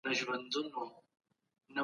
هیوادونه خپل ګټې بې له حسابه نه قرباني کوي.